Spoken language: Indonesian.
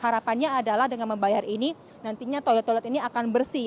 harapannya adalah dengan membayar ini nantinya toilet toilet ini akan bersih